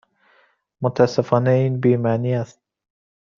متاسفانه این بی معنی است.